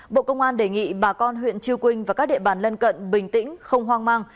bộ công an đề nghị bà con huyện chư quynh và các địa bàn lân cận bình tĩnh không hoang mang